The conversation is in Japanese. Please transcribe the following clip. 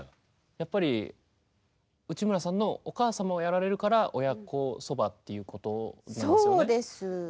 やっぱり内村さんのお母様をやられるから親子そばっていうことなんですよね。